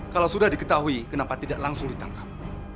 kalau sudah diketahui kenapa tidak langsung ditangkap